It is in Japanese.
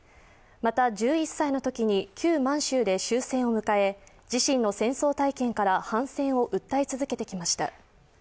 また、１１歳のときに旧満州で終戦を迎え、自身の戦争体験から、反戦を訴え続けてきました。